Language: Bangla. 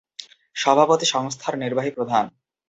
সভাপতি সংস্থার নির্বাহী প্রধান।